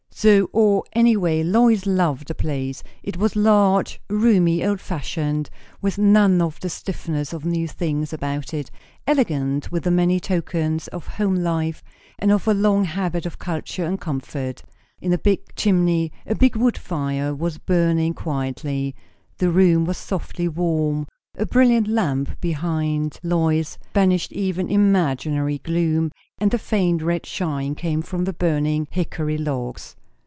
So, or any way, Lois loved the place. It was large, roomy, old fashioned, with none of the stiffness of new things about it; elegant, with the many tokens of home life, and of a long habit of culture and comfort. In a big chimney a big wood fire was burning quietly; the room was softly warm; a brilliant lamp behind Lois banished even imaginary gloom, and a faint red shine came from the burning hickory logs.